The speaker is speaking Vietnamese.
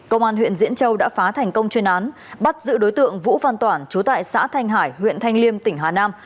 công an huyện diễn châu đã phá thành công chuyên án bắt giữ đối tượng vũ văn toản chú tại xã thanh hải huyện thanh liêm tỉnh hà nam